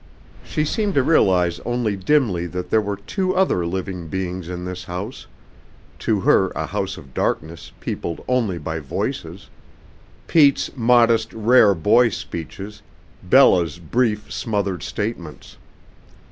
She seemed to realize only dimly that there were two other living beings in this house, to her a house of darkness peopled only by voices Pete's modest, rare boy speeches, Bella's brief, smothered statements.